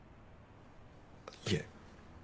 いえ。